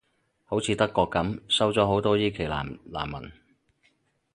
好似德國噉，收咗好多伊期蘭難民